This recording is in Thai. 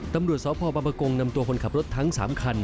ตำรวจสพบกงนำตัวคนขับรถทั้ง๓คัน